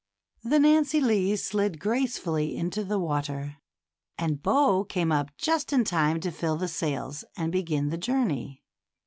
The Nancy Lee " slid gracefully into the water, and Bo came up just in time to fill the sails and begin the journey.